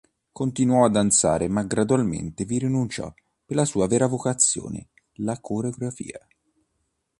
Continuò a danzare ma gradualmente vi rinunciò per la sua vera vocazione: la coreografia.